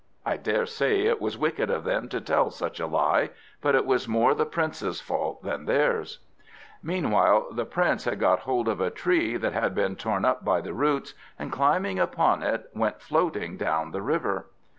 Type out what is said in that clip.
I daresay it was wicked of them to tell such a lie, but it was more the Prince's fault than theirs. Meanwhile the Prince had got hold of a tree that had been torn up by the roots, and climbing upon it, went floating down the river.